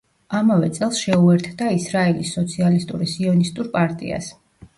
ამავე წელს შეუერთდა ისრაელის სოციალისტური სიონისტურ პარტიას.